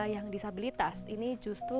yang disabilitas ini justru